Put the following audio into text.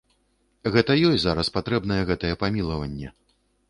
Гэта ёй зараз патрэбнае гэтае памілаванне.